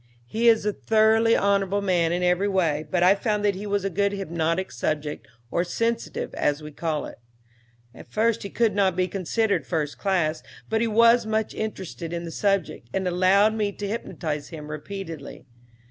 He is a thoroughly honorable man in every way, but I found that he was a good hypnotic subject, or sensitive, as we call it. At first he could not be considered first class, but he was much interested in the subject, and allowed me to hypnotize him repeatedly.